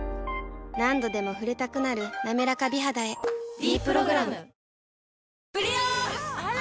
何度でも触れたくなる「なめらか美肌」へ「ｄプログラム」あら！